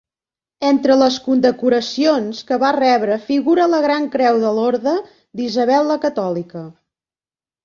Entre les condecoracions que va rebre figura la Gran Creu de l'Orde d'Isabel la Catòlica.